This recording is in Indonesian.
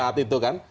saat itu kan